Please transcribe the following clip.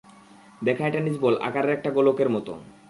দেখায় tennis ball আকারে একটা গোলকের মতো।